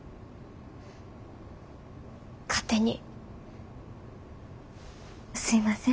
勝手にすいません。